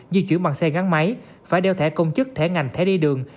di chuyển bằng xe gắn máy phải đeo thẻ công chức thẻ ngành thẻ đi đường